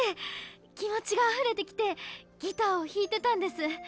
気持ちがあふれてきてギターをひいてたんです。